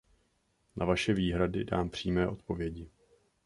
Na vaše výhrady dám přímé odpovědi.